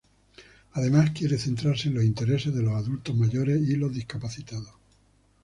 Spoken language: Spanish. Además, quiere centrarse en los intereses de los adultos mayores y los discapacitados.